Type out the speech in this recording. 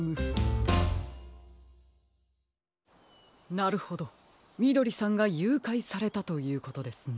なるほどみどりさんがゆうかいされたということですね。